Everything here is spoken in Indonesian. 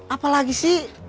apa lagi sih